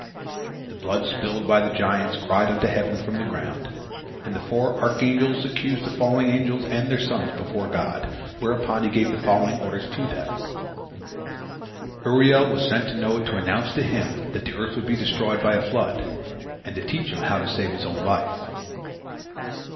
The blood spilled by the giants cried unto heaven from the ground, and the four archangels accused the fallen angels and their sons before God, whereupon He gave the following orders to them: Uriel was sent to Noah to announce to him that the earth would be destroyed by a flood, and to teach him how to save his own life.